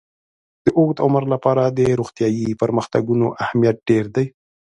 د اوږد عمر لپاره د روغتیايي پرمختګونو اهمیت ډېر دی.